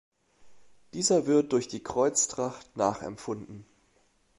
Dieser wird durch die Kreuztracht nachempfunden.